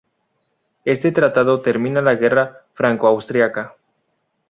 Este tratado termina la guerra franco-austriaca.